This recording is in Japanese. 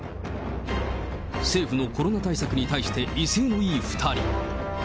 政府のコロナ対策について、威勢のいい２人。